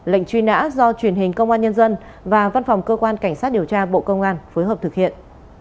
lệnh truy nã do truyền hình công an nhân dân và văn phòng cơ quan cảnh sát điều tra bộ công an phối hợp thực hiện